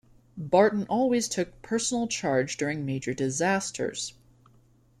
Barton always took personal charge during major disasters.